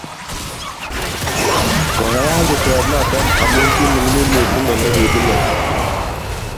koyayak ruset noto amu kiminingit mising olegebunei